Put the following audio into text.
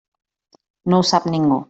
No ho sap ningú.